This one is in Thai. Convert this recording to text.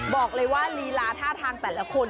บอกเลยว่าลีลาท่าทางแต่ละคน